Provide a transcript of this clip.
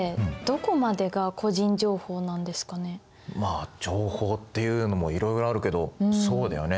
まあ情報っていうのもいろいろあるけどそうだよね